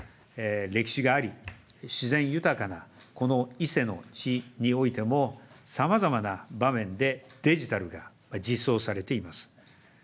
歴史があり、自然豊かなこの伊勢の地においても、さまざまな場面でデジタルが実装されています。